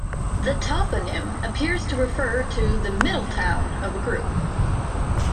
The toponym appears to refer to the "Middle Town" of a group.